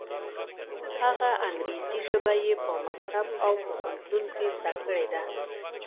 هغه انګریزي ژبه یې په مکتب او پوهنتون کې زده کړې ده.